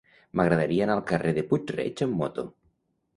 M'agradaria anar al carrer de Puig-reig amb moto.